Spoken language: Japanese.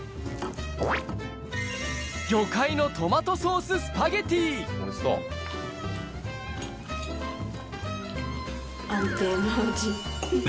魚介のトマトソーススパゲテ安定の味。